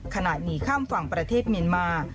หนีข้ามฝั่งประเทศเมียนมา